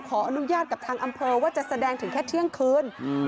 ขออนุญาตกับทางอำเภอว่าจะแสดงถึงแค่เที่ยงคืน